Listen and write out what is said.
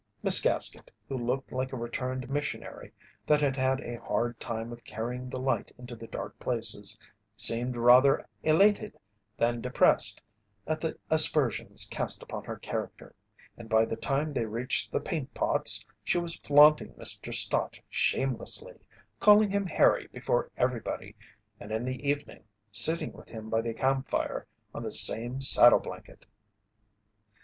Miss Gaskett, who looked like a returned missionary that had had a hard time of it carrying the Light into the dark places, seemed rather elated than depressed at the aspersions cast upon her character, and by the time they reached the "Paint Pots" she was flaunting Mr. Stott shamelessly, calling him "Harry" before everybody, and in the evening sitting with him by the camp fire on the same saddle blanket.